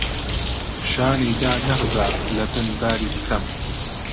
شانی دانەخزا لەبن باری ستەم،